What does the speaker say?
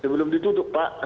belum ditutup pak